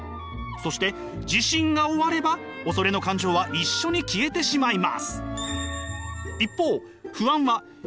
そして地震が終われば恐れの感情は一緒に消えてしまいます。